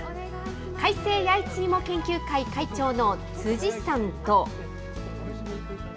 開成弥一芋研究会会長の辻さんと。